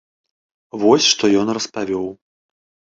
Вось што ён распавёў.